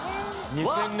２０００年。